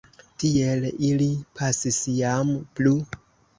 Tiel ili pasis jam plu.